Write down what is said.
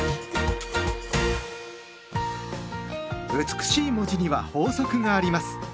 美しい文字には法則があります。